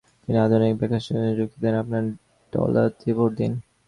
তিনি আধুনিক বাক্যাংশের জন্য যুক্তি দেন, "আপনার ডলার দিয়ে ভোট দিন।